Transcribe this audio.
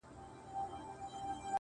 سم به خو دوى راپسي مه ږغوه.